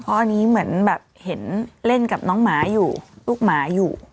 เพราะอันนี้เหมือนแบบเห็นเล่นกับน้องหมาอยู่ลูกหมาอยู่